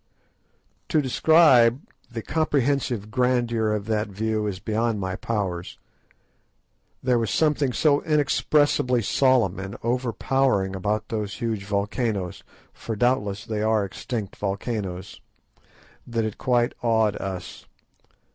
To describe the comprehensive grandeur of that view is beyond my powers. There was something so inexpressibly solemn and overpowering about those huge volcanoes—for doubtless they are extinct volcanoes—that it quite awed us.